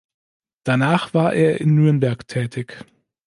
Danach war er in Nürnberg tätig.